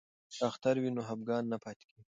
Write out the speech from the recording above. که اختر وي نو خفګان نه پاتیږي.